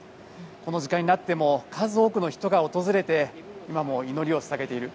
この時間になっても数多くの人が訪れて祈りを捧げている。